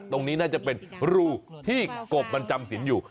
ตรงนี้น่าจะเป็นรูที่กบมันจำสินอยู่